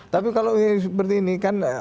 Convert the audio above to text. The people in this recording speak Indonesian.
tapi kalau seperti ini kan